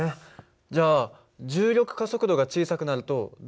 じゃあ重力加速度が小さくなるとどんな影響があるの？